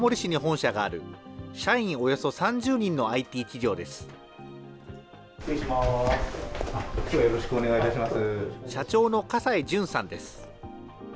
社長の葛西純さんです。